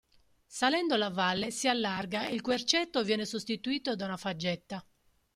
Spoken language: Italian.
Salendo la valle si allarga ed il querceto viene sostituito da una faggeta.